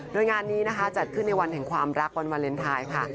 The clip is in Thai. โดยงานนี้นะคะจัดขึ้นในวันแห่งความรักวันวาเลนไทยค่ะ